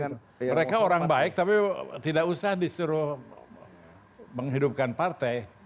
mereka orang baik tapi tidak usah disuruh menghidupkan partai